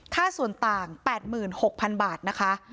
ค่าส่วนต่าง๘๖๐๐๐บาทนะคะ